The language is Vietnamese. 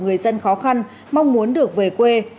người dân khó khăn mong muốn được về quê